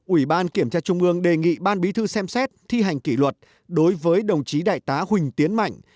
ủy ban kiểm tra trung ương đề nghị ban bí thư xem xét thi hành kỷ luật đối với đồng chí đại tá huỳnh tiến mạnh